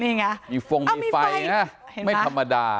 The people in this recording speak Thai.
นี่ไงมีฟงมีไฟนะไม่ธรรมดา